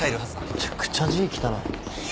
めちゃくちゃ字汚い。